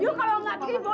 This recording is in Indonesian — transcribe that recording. yu kalau nggak keribu